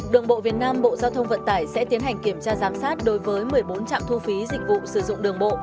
đường bộ việt nam bộ giao thông vận tải sẽ tiến hành kiểm tra giám sát đối với một mươi bốn trạm thu phí dịch vụ sử dụng đường bộ